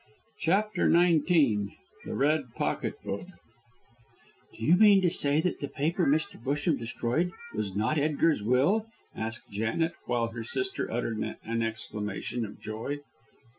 CHAPTER XIX THE RED POCKET BOOK "Do you mean to say that the paper Mr. Busham destroyed was not Edgar's will?" asked Janet, while her sister uttered an exclamation of joy.